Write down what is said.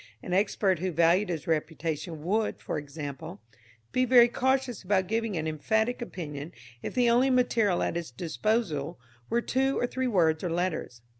An expert who valued his reputation would, for example, be very cautious about giving an emphatic opinion if the only material at his disposal were two or three words or letters.